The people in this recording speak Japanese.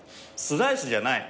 スライスじゃない。